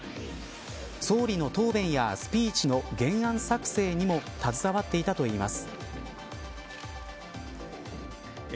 総理の答弁やスピーチの原案作成にも携わっていたといいます。